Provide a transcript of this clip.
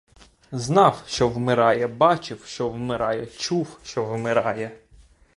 Знав, що вмирає, бачив, що вмирає, чув, що вмирає.